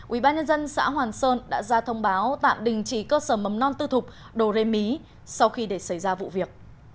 ubnd xã hoàn sơn đã ra thông báo tạm đình chỉ cơ sở mầm non tư thục đồ rê mí sau khi để xảy ra vụ việc